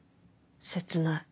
切ない。